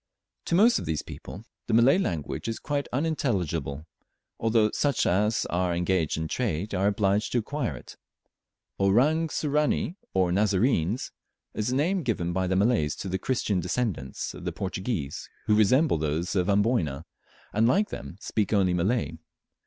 To most of these people the Malay language is quite unintelligible, although such as are engaged in trade are obliged to acquire it. "Orang Sirani," or Nazarenes, is the name given by the Malays to the Christian descendants of the Portuguese, who resemble those of Amboyna, and, like them, speak only Malay.